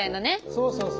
そうそうそう。